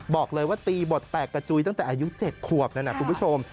บอกเลยว่าตีบทแตกกระจุยตั้งแต่อายุ๗ขวบนั่นนะคุณผู้ชม